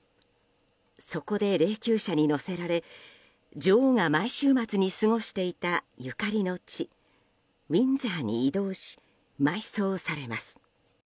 そこで霊柩車に乗せられ女王が毎週末に過ごしていたゆかりの地、ウィンザーに移動し埋葬されます。